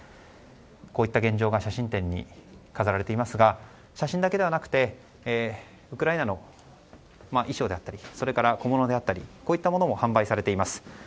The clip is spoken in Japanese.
こういった現状が写真展に飾られていますが写真だけではなくてウクライナの衣装であったりそれから小物であったりこういったものも販売されてます。